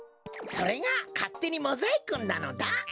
それがかってにモザイクンなのだ。